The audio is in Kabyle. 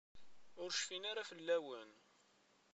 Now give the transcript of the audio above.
Ur cfin ara fell-awen.